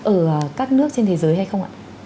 ở các nước trên thế giới hay không ạ